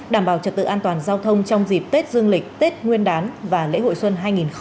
đảm bảo trật tự an toàn giao thông trong dịp tết dương lịch tết nguyên đán và lễ hội xuân hai nghìn hai mươi bốn